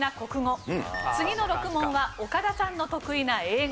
次の６問は岡田さんの得意な英語。